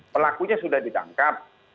pelakunya sudah ditangkap